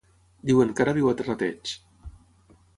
Diuen que ara viu a Terrateig.